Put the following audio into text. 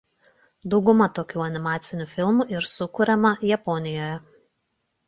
Dauguma tokių animacinių filmų ir sukuriama Japonijoje.